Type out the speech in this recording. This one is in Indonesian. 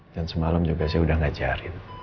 dan semalam juga saya udah ngajarin